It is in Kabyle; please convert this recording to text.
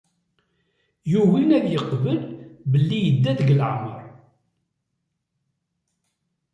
Yugi ad yeqbel belli yedda deg leεmer.